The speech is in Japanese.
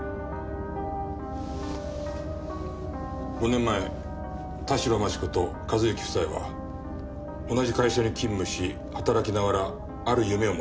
５年前田代万智子と和行夫妻は同じ会社に勤務し働きながらある夢を持っていた。